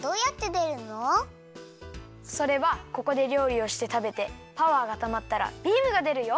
それはここでりょうりをしてたべてパワーがたまったらビームがでるよ。